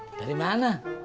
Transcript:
mas dari mana